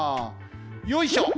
よいしょ！